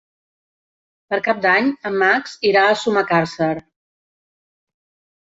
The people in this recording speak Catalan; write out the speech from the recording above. Per Cap d'Any en Max irà a Sumacàrcer.